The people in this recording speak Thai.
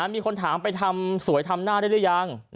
มีคนถามไปทำสวยทำหน้าได้หรือยัง